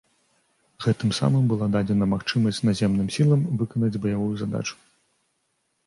Гэтым самым была дадзена магчымасць наземным сілам выканаць баявую задачу.